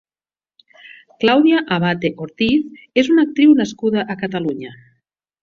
Claudia Abate Ortiz és una actriu nascuda a Catalunya.